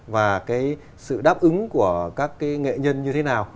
và cái sự đáp ứng của các nghệ nhân như thế nào